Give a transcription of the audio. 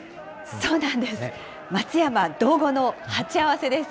そうなんです。